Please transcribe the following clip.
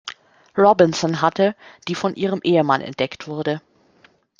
Robinson hatte, die von ihrem Ehemann entdeckt wurde.